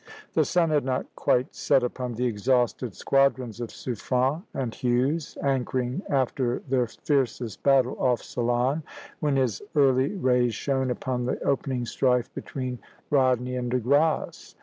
The sun had not quite set upon the exhausted squadrons of Suffren and Hughes, anchoring after their fiercest battle off Ceylon, when his early rays shone upon the opening strife between Rodney and De Grasse.